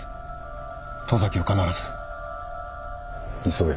急げ。